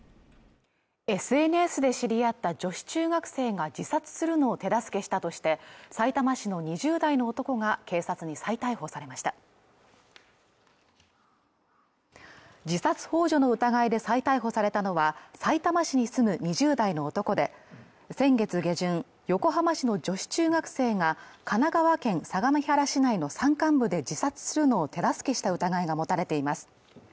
ＳＮＳで知り合った女子中学生が自殺するのを手助けしたとしてさいたま市の２０代の男が警察に再逮捕されました自殺幇助の疑いで再逮捕されたのはさいたま市に住む２０代の男で先月下旬横浜市の女子中学生が神奈川県相模原市内の山間部で自殺するのを手助けした疑いが持たれています